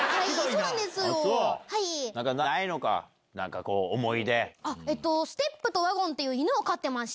なんかないのか、なんかこう、えっと、ステップとワゴンという犬を飼ってまして。